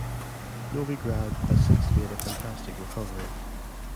Novi Grad has since made a fantastic recovery.